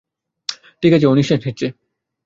ঠিক আছে, ও নিশ্বাস নিচ্ছে।